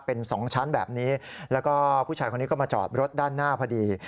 เป็นสองชั้นแบบนี้แล้วก็ผู้ชายคนนี้ก็มาจอดรถด้านหน้าพอดี